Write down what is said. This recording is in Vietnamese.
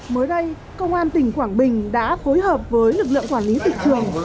mới đây công an tp hcm đã phối hợp với lực lượng quản lý thị trường